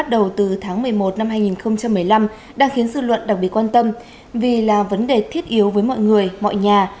bắt đầu từ tháng một mươi một năm hai nghìn một mươi năm đang khiến dư luận đặc biệt quan tâm vì là vấn đề thiết yếu với mọi người mọi nhà